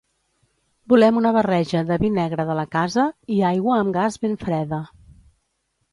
Volem una barreja de vi negre de la casa, i aigua amb gas ben freda.